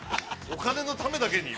お金のためだけに。